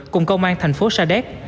cùng công an thành phố sa đéc